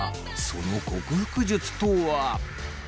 その克服術とは？